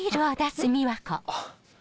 あっ。